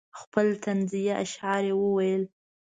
خپل طنزیه اشعار یې وویل.